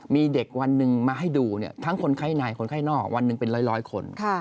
มีเด็กวันหนึ่งมาให้ดูทั้งคนไข้ในคนไข้นอกวันหนึ่งเป็นร้อยคน